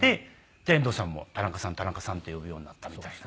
遠藤さんも「田中さん田中さん」って呼ぶようになったみたいな。